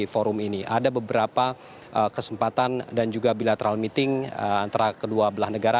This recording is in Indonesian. forum ini ada beberapa kesempatan dan juga bilateral meeting antara kedua belah negara